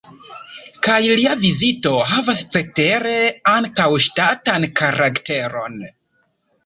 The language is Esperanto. Kaj lia vizito havas cetere ankaŭ ŝtatan karakteron.